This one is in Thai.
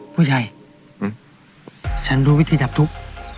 ผู้ชายฉันรู้วิธีดับทุกข์